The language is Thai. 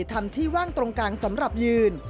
ทำที่ว่างตรงกลางสำหรับยืน